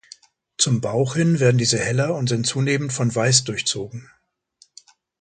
Zum Bauch hin werden diese heller und sind zunehmend von Weiß durchzogen.